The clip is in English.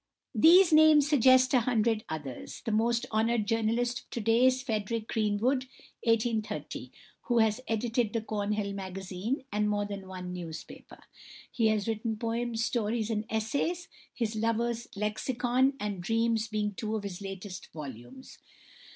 These names suggest a hundred others. The most honoured journalist of to day is =Frederick Greenwood (1830 )=, who has edited "The Cornhill Magazine" and more than one newspaper. He has written poems, stories, and essays, his "Lover's Lexicon" and "Dreams" being two of his latest volumes.